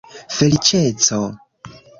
feliĉeco